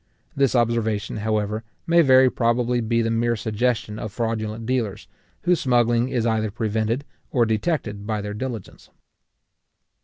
This observation, however, may very probably be the mere suggestion of fraudulent dealers, whose smuggling is either prevented or detected by their diligence.